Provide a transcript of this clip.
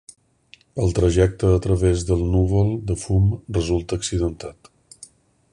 El trajecte a través del núvol de fum resulta accidentat.